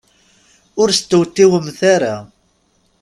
Ur stewtiwemt ara.